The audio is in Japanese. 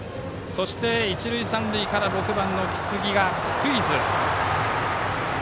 そして、一塁三塁から６番の木次がスクイズ。